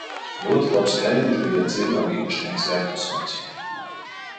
Ļoti labs kaimiņš bija dzirnavu īpašnieks Jēkabsons.